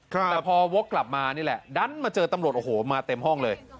แต่พอวกกลับมานี่แหละดันมาเจอตำรวจโอ้โหมาเต็มห้องเลย